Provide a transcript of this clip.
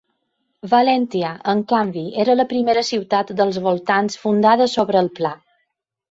Valentia, en canvi, era la primera ciutat dels voltants fundada sobre el pla.